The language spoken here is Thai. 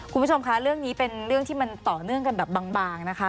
คุณผู้ชมคะเรื่องนี้เป็นเรื่องที่มันต่อเนื่องกันแบบบางนะคะ